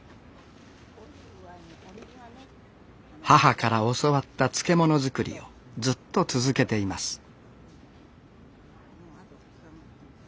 母から教わった漬物作りをずっと続けています